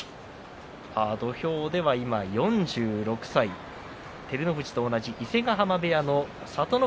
土俵では今、４６歳照ノ富士と同じ伊勢ヶ濱部屋の聡ノ